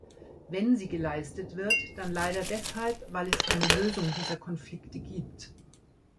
Wenn sie geleistet wird, dann leider deshalb, weil es keine Lösung dieser Konflikte gibt.